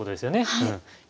はい。